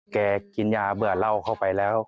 กินยาเบื่อเหล้าเข้าไปแล้ว